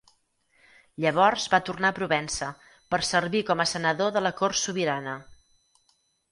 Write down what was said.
Llavors va tornar a Provença per servir com a senador de la cort sobirana.